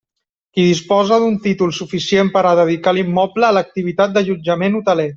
Que disposa de títol suficient per a dedicar l'immoble a l'activitat d'allotjament hoteler.